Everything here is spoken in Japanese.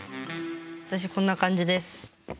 私こんな感じです。